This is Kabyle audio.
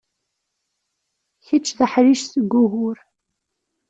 Kečč d aḥric seg ugur.